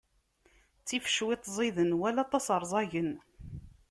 Ttif cwiṭ ẓiden, wala aṭas ṛẓagen.